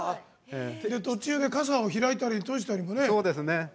途中で傘を開いたり閉じたりもね。